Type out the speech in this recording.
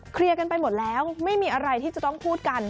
กันไปหมดแล้วไม่มีอะไรที่จะต้องพูดกัน